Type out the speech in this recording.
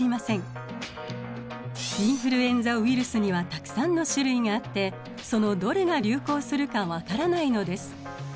インフルエンザウイルスにはたくさんの種類があってそのどれが流行するか分からないのです。